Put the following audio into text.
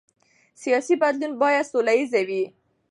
سیاسي بدلون باید سوله ییز وي